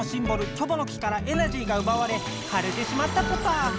「キョボの木」からエナジーがうばわれかれてしまったポタ。